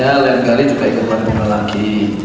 dan kali ini juga ikutkan pemerintah lagi